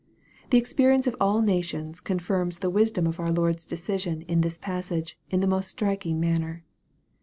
The experience of all nations confirms the wisdom of our Lord's decision in this passage in the most striking manner.